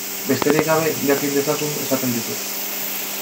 Besterik gabe, jakin dezazun esaten dizut.